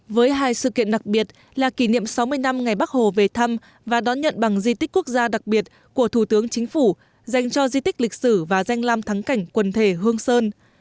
với hai sự kiện đặc biệt là kỷ niệm sáu mươi năm ngày bắc hồ về thăm và đón nhận bằng di tích quốc gia đặc biệt của thủ tướng chính phủ dành cho di tích lịch sử và danh lam thắng cảnh quần thể hương sơn